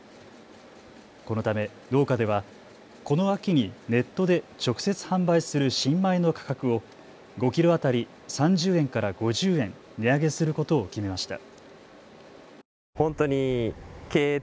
このため農家ではこの秋にネットで直接販売する新米の価格を５キロ当たり３０円から５０円値上げすることを決めました。